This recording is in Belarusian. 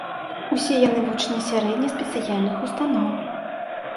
Усе яны вучні сярэдне-спецыяльных устаноў.